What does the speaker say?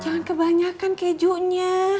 jangan kebanyakan kejunya